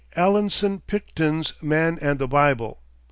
Allanson Picton's 'Man and the Bible.